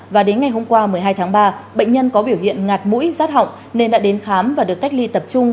và đến ngày hôm qua một mươi hai tháng ba bệnh nhân có biểu hiện ngạt mũi rát họng nên đã đến khám và được cách ly tập trung